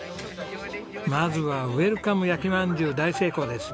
まずはウェルカム焼まんじゅう大成功です！